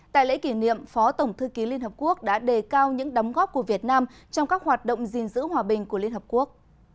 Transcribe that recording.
tại lễ kỷ niệm phó tổng thư ký liên hợp quốc đã đề cao những đóng góp của việt nam trong các hoạt động gìn giữ hòa bình của liên hợp quốc